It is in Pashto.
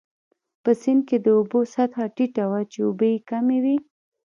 په سیند کې د اوبو سطحه ټیټه وه، چې اوبه يې کمې وې.